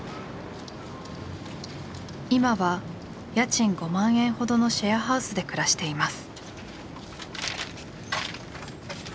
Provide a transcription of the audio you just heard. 今は家賃５万円ほどのシェアハウスで暮らしています。